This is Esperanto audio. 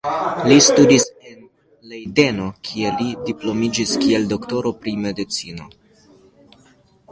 Li studis en Lejdeno kie li diplomiĝis kiel doktoro pri medicino.